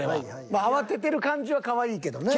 まあ慌ててる感じはかわいいけどね。